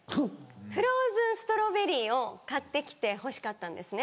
フローズンストロベリーを買って来てほしかったんですね。